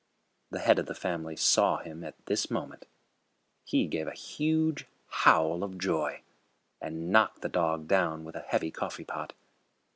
The head of the family saw him at this moment. He gave a huge howl of joy, and knocked the dog down with a heavy coffee pot.